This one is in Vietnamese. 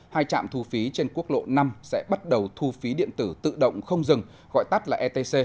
hai trạm thu phí trên quốc lộ năm sẽ bắt đầu thu phí điện tử tự động không dừng gọi tắt là etc